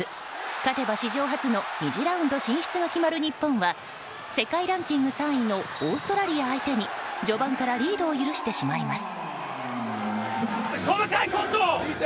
勝てば史上初の２次ラウンド進出が決まる日本は世界ランキング３位のオーストラリア相手に序盤からリードを許してしまいます。